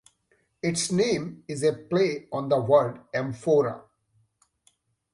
Its name is a play on the word "amphora".